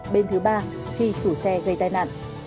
bên thứ ba khi chủ xe gây tai nạn